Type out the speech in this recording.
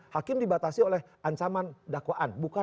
hakim dibatasi oleh ancaman dakwaan